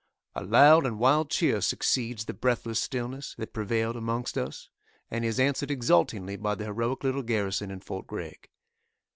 A loud and wild cheer succeeds the breathless stillness that prevailed amongst us, and is answered exultingly by the heroic little garrison in fort Gregg.